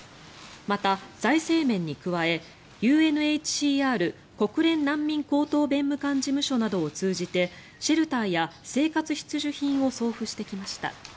また、財政面に加えＵＮＨＣＲ・国連難民高等弁務官事務所などを通じてシェルターや生活必需品を送付してきました。